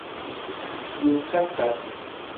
憂結結